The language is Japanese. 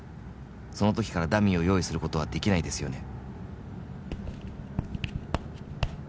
「そのときからダミーを用意することはできないですよね」